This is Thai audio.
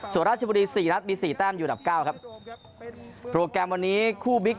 ส่วนราชบุรีสี่นัดมีสี่แต้มอยู่อันดับเก้าครับโปรแกรมวันนี้คู่บิ๊ก